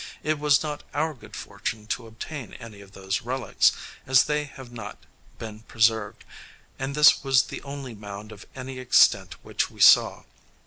It was not our good fortune to obtain any of those relics, as they have not been preserved, and this was the only mound of any extent which we saw.